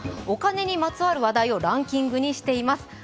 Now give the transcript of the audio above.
お金にまつわる話題をランキングにしています。